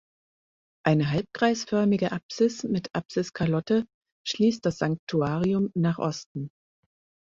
Eine halbkreisförmige Apsis mit Apsiskalotte schließt das Sanktuarium nach Osten.